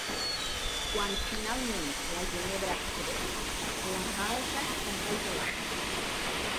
Quan, finalment, la Ginebra accedeix: “La galta enrojolada.